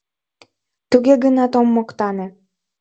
Туге гынат ом моктане.